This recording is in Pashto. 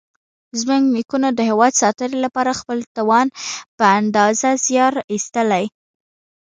زموږ نیکونو د هېواد ساتنې لپاره خپل توان په اندازه زیار ایستلی.